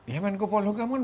ya menko paul hukam kan